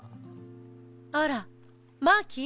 あらマーキー。